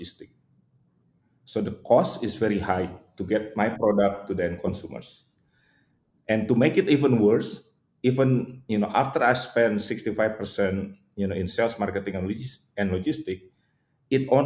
seperti perusahaan mikro bukan maksud saya kami tidak membicarakan jenis jenis jenis besar tapi kami membicarakan